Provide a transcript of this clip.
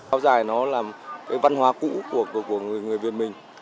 áo dài nó là cái văn hóa cũ của người việt mình